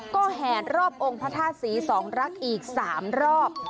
ก็แห่รอบองค์พระธาตุศรีสองรักอีก๓รอบ